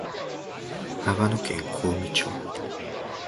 長野県小海町